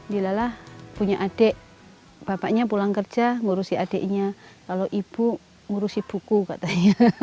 lila lah punya adik bapaknya pulang kerja ngurusin adiknya lalu ibu ngurusin buku katanya